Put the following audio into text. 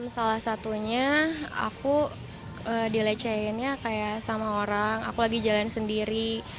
salah satunya aku dilecehinnya kayak sama orang aku lagi jalan sendiri